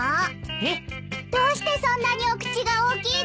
えっ？どうしてそんなにお口が大きいの？